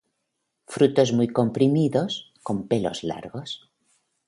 Frutos muy comprimidos, con pelos largos.